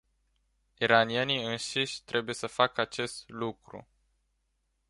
Iranienii înșiși trebuie să facă acest lucru.